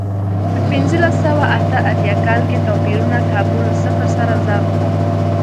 په پنځلس سوه اته اتیا کال کې توپیرونه کابو له صفر سره ضرب و.